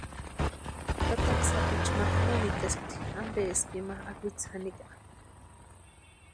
Tataka Sapichu ma no mitespti ampeski ima akwitsi janikwa.